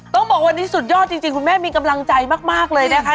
ต้องบอกวันนี้สุดยอดจริงคุณแม่มีกำลังใจมากเลยนะคะ